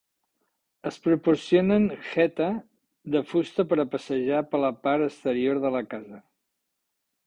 Es proporcionen "geta" de fusta per a passejar per la part exterior de la casa.